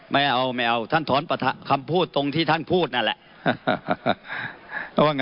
ไม่เอาไม่เอาท่านถอนคำพูดตรงที่ท่านพูดนั่นแหละ